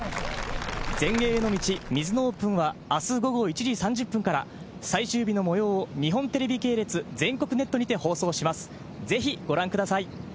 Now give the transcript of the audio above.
全英への道、ミズノオープンは、あす午後１時３０分から、最終日のもようを日本テレビ系列、全国ネットにて放送します。